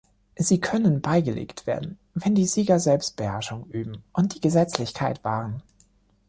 Sie können beigelegt werden, wenn die Sieger Selbstbeherrschung üben und die Gesetzlichkeit wahren.